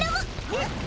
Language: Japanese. えっ？